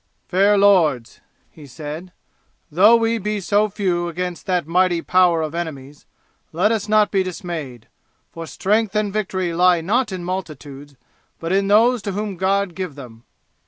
"Fair lords," he said, "though we be so few against that mighty power of enemies, let us not be dismayed, for strength and victory lie not in multitudes, but in those to whom God give them.